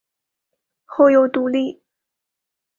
后又独立。